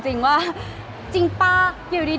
คือบอกเลยว่าเป็นครั้งแรกในชีวิตจิ๊บนะ